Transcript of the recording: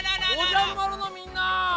「おじゃる丸」のみんな。